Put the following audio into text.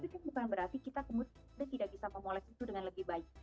itu bukan berarti kita tidak bisa memoles itu dengan lebih baik